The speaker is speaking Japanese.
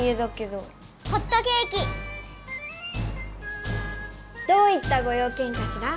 どういったご用けんかしら？